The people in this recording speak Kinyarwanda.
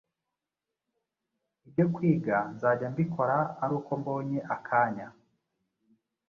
Ibyo kwiga nzajya mbikora ari uko mbonye akanya.